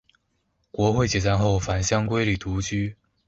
国会解散后返乡归里独居。